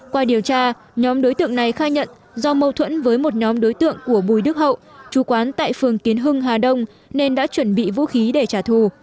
qua điều tra nhóm đối tượng này khai nhận do mâu thuẫn với một nhóm đối tượng của bùi đức hậu chú quán tại phường tiến hưng hà đông nên đã chuẩn bị vũ khí để trả thù